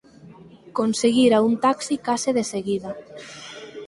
Conseguira un taxi case de seguida.